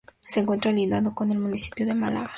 Se encuentra lindando con el municipio de Málaga.